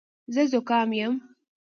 زه زکام یم.